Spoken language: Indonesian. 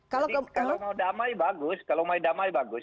tapi kalau mau damai bagus kalau mau damai bagus